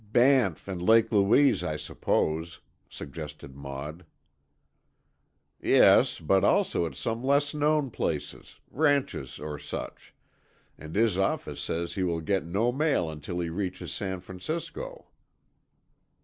"Banff and Lake Louise, I suppose," suggested Maud. "Yes, but also at some less known places, ranches or such, and his office says he will get no mail until he reaches San Francisco."